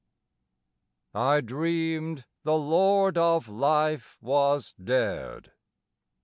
I dreamed the Lord of Life was dead.